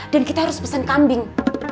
dan kita harus pesen kambing